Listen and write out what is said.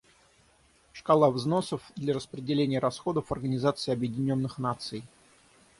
Шкала взносов для распределения расходов Организации Объединенных Наций.